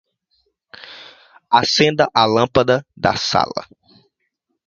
Acenda a lâmpada da sala